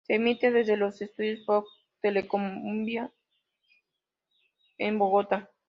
Se emite desde los estudios de Fox Telecolombia en Bogotá.